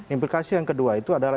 implikasi yang kedua itu adalah